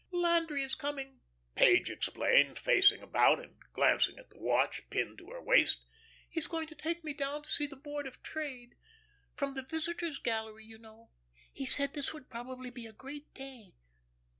"Landry is coming," Page explained, facing about and glancing at the watch pinned to her waist. "He is going to take me down to see the Board of Trade from the visitor's gallery, you know. He said this would probably be a great day.